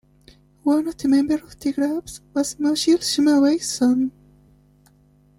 One of the members of this group was Mosheel, Shumaway's son.